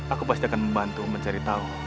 aku pasti akan membantu mencari tahu